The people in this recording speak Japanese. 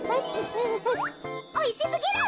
おいしすぎる。